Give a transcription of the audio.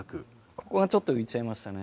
ここはちょっと浮いちゃいましたね。